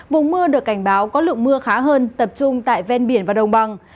vùng mưa được cảnh báo có lượng mưa khá hơn tập trung tại ven biển và đồng bằng